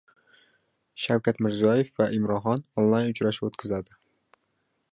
Shavkat Mirziyoyev va Imron Xon onlayn-uchrashuv o‘tkazadi